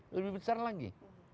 lebih besar lagi